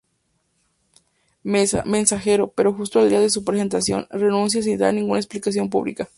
Mensajero, pero justo el día de su presentación, renuncia sin dar ninguna explicación publica.